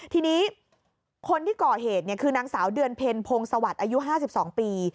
ทีนี้คนที่ก่อเหตุเนี่ยคือนางสาวเดือนเพลินโพงสวัสดิ์อายุ๕๒ปี